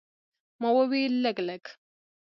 ما وویل، لږ، لږ.